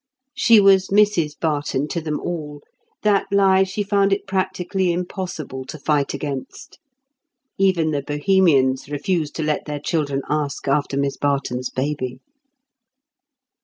She was Mrs Barton to them all; that lie she found it practically impossible to fight against. Even the Bohemians refused to let their children ask after Miss Barton's baby.